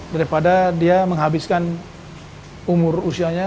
daripada dia menghabiskan umur usianya